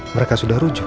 mereka sudah rujuk